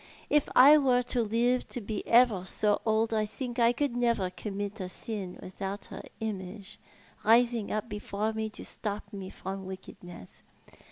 If I wore to live to be ever s; old Ithink I could never commit a sin without her image rising up before me to stop me from wickedness.